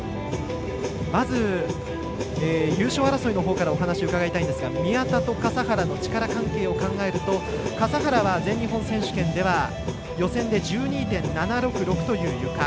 まず優勝争いのほうからお話を伺いたいんですが宮田と笠原の力関係を考えると笠原は全日本選手権では予選で１２．７６６というゆか。